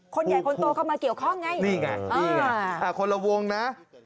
คนใหญ่คนโตเข้ามาเกี่ยวข้องไงนี่ไงนี่ไงคนละวงนะ